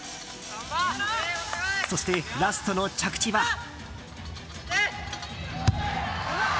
そして、ラストの着地は。